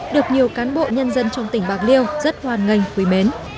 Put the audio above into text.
được nhiều cán bộ nhân dân trong tỉnh bạc liêu rất hoan nghênh quý mến